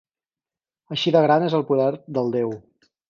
Així de gran és el poder del déu.